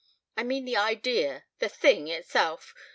I mean the idea the thing itself.